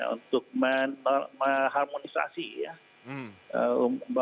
untuk mengharmonisasi ya